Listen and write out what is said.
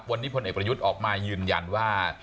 วันนี้พลเอกประยุทธ์ออกมายืนยันว่า